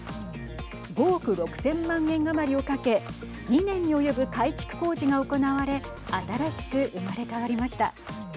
５億６０００万円余りをかけ２年に及ぶ改築工事が行われ新しく生まれ変わりました。